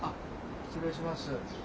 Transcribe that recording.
失礼します。